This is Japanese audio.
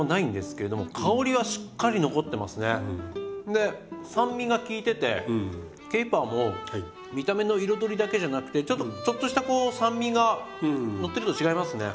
で酸味が効いててケイパーも見た目の彩りだけじゃなくてちょっとしたこう酸味がのってると違いますね。